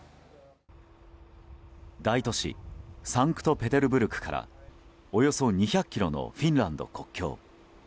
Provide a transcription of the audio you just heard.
大都市サンクトペテルブルクからおよそ２００ｋｍのフィンランド国境。